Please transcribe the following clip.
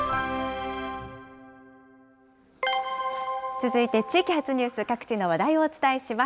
続いて地域発ニュース、各地の話題をお伝えします。